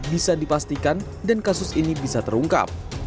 bisa dipastikan dan kasus ini bisa terungkap